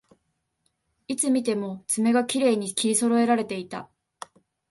いつ見ても爪がきれいに切りそろえられていた